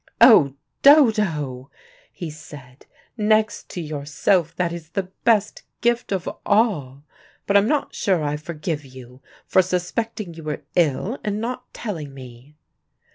"Oh, Dodo!" he said. "Next to yourself, that is the best gift of all. But I'm not sure I forgive you, for suspecting you were ill, and not telling me."